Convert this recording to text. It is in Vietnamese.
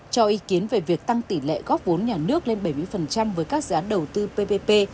cho ý kiến về việc tăng tỷ lệ góp vốn nhà nước lên bảy mươi với các dự án đầu tư ppp